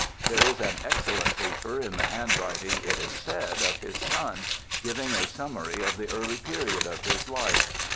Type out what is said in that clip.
There is an excellent paper in the handwriting, it is said, of his son, giving a summary of the earlier period of his life.